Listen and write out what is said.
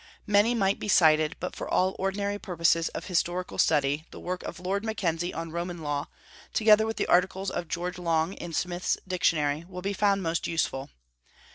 Many might be cited, but for all ordinary purposes of historical study the work of Lord Mackenzie on Roman Law, together with the articles of George Long in Smith's Dictionary, will be found most useful.